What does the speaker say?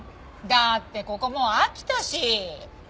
だってここもう飽きたし！